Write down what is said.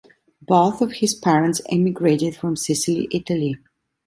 Both of his parents emigrated from Sicily, Italy.